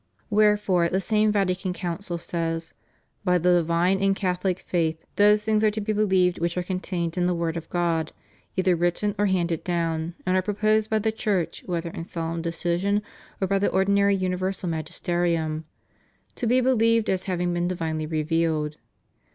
Wherefore the same Vatican Council says: "By the divine and Catholic faith those things are to be believed which are contained in the word of God either written or handed down, and are proposed by the Church whether in solemn decision or by the ordinary universal magisterium, to be believed as having been divinely revealed."